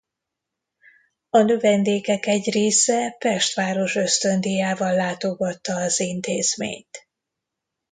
A növendékek egy része Pest város ösztöndíjával látogatta az intézményt.